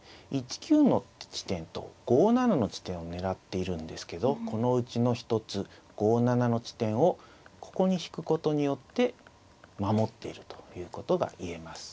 １九の地点と５七の地点を狙っているんですけどこのうちの一つ５七の地点をここに引くことによって守っているということが言えます。